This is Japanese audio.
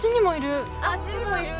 あっちにもいる！